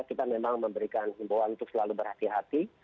kita memang memberikan himbauan untuk selalu berhati hati